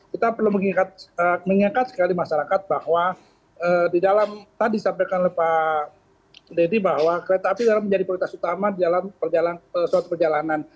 kita perlu mengingat sekali masyarakat bahwa di dalam tadi sampaikan oleh pak deddy bahwa kereta api adalah menjadi prioritas utama dalam suatu perjalanan